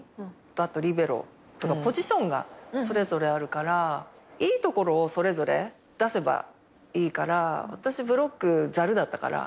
あとリベロとかポジションがそれぞれあるからいいところをそれぞれ出せばいいから私ブロックざるだったから。